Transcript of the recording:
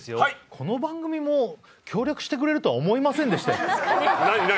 この番組も協力してくれるとは思いませんでしたよ。